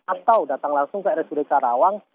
atau datang langsung ke rsud karawang